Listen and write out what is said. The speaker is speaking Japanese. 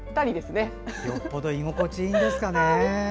よっぽど居心地がいいんですかね。